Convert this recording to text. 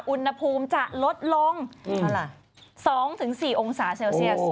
อุณหภูมิจะลดลง๒๔องศาเซลเซียส